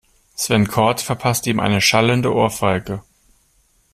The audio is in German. Sven Korte verpasste ihm eine schallende Ohrfeige.